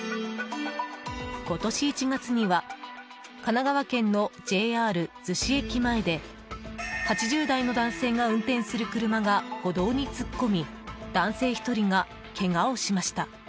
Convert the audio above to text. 今年１月には神奈川県のＪＲ逗子駅前で８０代の男性が運転する車が歩道に突っ込み男性１人がけがをしました。